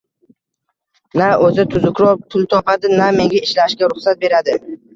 Na o`zi tuzukroq pul topadi, na menga ishlashga ruxsat beradi